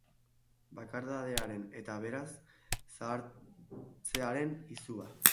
Bakardadearen eta, beraz, zahartzearen izua.